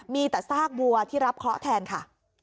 มีแต่ซากบัวที่รับเคราะห์แทนค่ะ